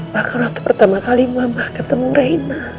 bahkan waktu pertama kali mamah ketemu reina